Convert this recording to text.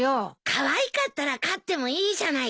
かわいかったら飼ってもいいじゃないか。